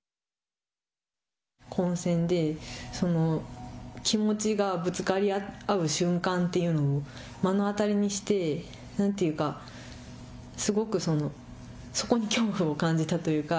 混戦で気持ちがぶつかり合う瞬間というのを目の当たりにして何というかすごくそこに恐怖を感じたというか。